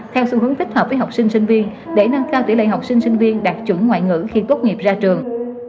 theo xu hướng tích hợp với học sinh sinh viên để nâng cao tỷ lệ học sinh sinh viên đạt chuẩn ngoại ngữ khi tốt nghiệp ra trường